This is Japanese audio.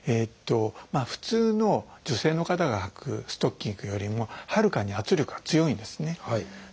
普通の女性の方がはくストッキングよりもはるかに圧力が強いんですね。